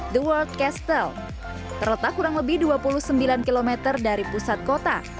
the world castle terletak kurang lebih dua puluh sembilan km dari pusat kota